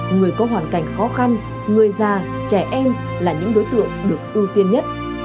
người có hoàn cảnh khó khăn người già trẻ em là những đối tượng được ưu tiên nhất